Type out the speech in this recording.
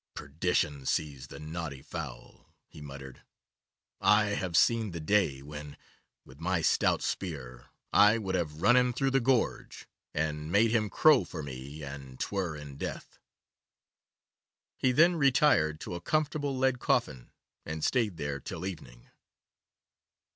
'Perdition seize the naughty fowl,' he muttered, 'I have seen the day when, with my stout spear, I would have run him through the gorge, and made him crow for me an 'twere in death!' He then retired to a comfortable lead coffin, and stayed there till evening.